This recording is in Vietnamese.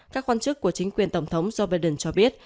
các quan chức của chính quyền tổng thống joe biden cho biết